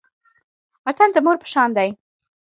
وطن د مور په شان دی